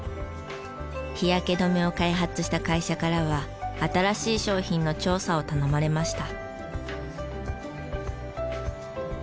日焼け止めを開発した会社からは新しい商品の調査を頼まれました。